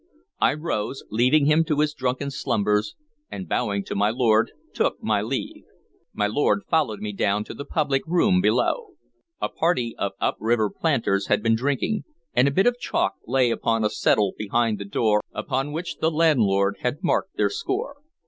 I rose, leaving him to his drunken slumbers, and, bowing to my lord, took my leave. My lord followed me down to the public room below. A party of upriver planters had been drinking, and a bit of chalk lay upon a settle behind the door upon which the landlord had marked their score.